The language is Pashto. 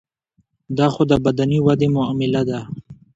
دا خو د بدني ودې معامله ده.